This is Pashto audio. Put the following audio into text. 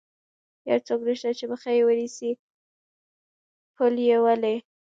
یو څوک نشته چې مخه یې ونیسي، پل یې ولې.